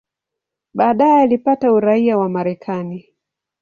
Baadaye alipata uraia wa Marekani.